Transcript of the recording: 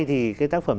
thì cái tác phẩm